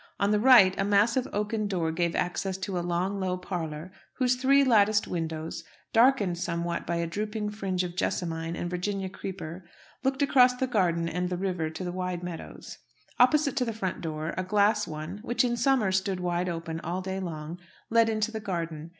On the right, a massive oaken door gave access to a long, low parlour, whose three latticed windows darkened somewhat by a drooping fringe of jessamine and virginia creeper looked across the garden and the river to wide meadows. Opposite to the front door, a glass one, which in summer stood wide open all day long, led into the garden.